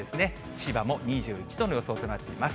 千葉も２１度の予想となっています。